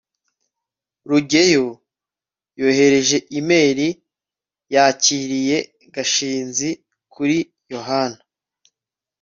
rugeyo yohereje imeri yakiriye gashinzi kuri yohana